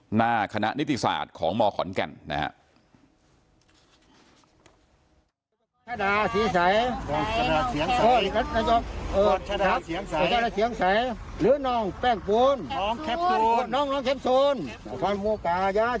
หน้าคณะนิติศาสตร์ของมขอนแก่นนะครับ